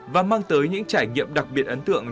và mang tới những trải nghiệm đặc biệt ấn tượng